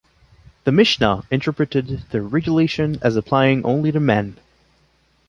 The Mishnah interpreted the regulation as applying only to men.